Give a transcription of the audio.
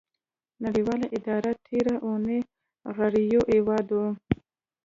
نړیوالې ادارې تیره اونۍ غړیو هیوادو